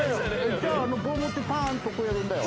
じゃあ棒持ってパンッとこうやるんだよ